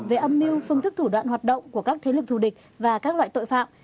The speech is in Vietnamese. về âm mưu phương thức thủ đoạn hoạt động của các thế lực thù địch và các loại tội phạm